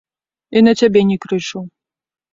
І на цябе не крычу.